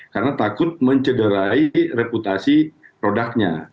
karena takut mencederai reputasi produknya